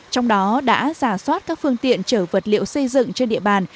trong đó đã giả soát các phương tiện chở vật liệu xây dựng trên địa bàn